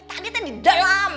tadi udah di dalem